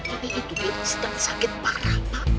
jadi itu dia sedang sakit parah pak